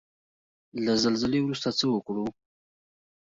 له زلزلې وروسته څه وکړو؟